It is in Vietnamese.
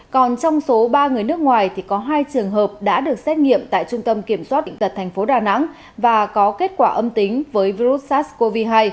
còn trong số ba người nước ngoài thì có hai trường hợp đã được xét nghiệm tại trung tâm kiểm soát bệnh tật tp đà nẵng và có kết quả âm tính với virus sars cov hai